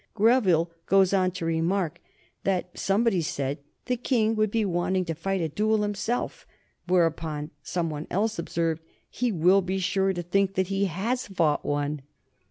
Greville goes on to remark that somebody said "the King would be wanting to fight a duel himself," whereupon some one else observed, "He will be sure to think that he has fought one."